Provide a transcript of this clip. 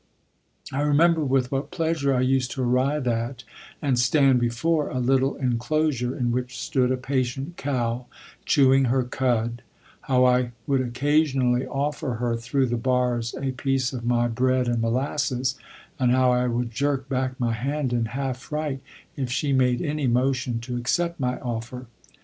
I remember with what pleasure I used to arrive at, and stand before, a little enclosure in which stood a patient cow chewing her cud, how I would occasionally offer her through the bars a piece of my bread and molasses, and how I would jerk back my hand in half fright if she made any motion to accept my offer.